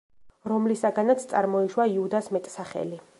რომლისაგანაც წარმოიშვა იუდას მეტსახელი.